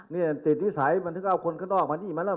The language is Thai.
นี่มิติฤทธิวสารคนนี้มา